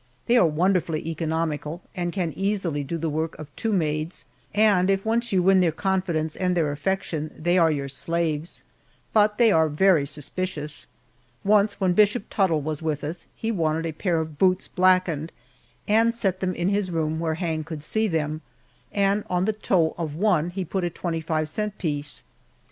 They are wonderfully economical, and can easily do the work of two maids, and if once you win their confidence and their affection they are your slaves. But they are very suspicious. Once, when Bishop Tuttle was with us, he wanted a pair of boots blackened, and set them in his room where Hang could see them, and on the toe of one he put a twenty five cent piece.